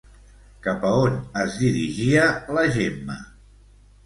Cap a on es dirigia la Gemma?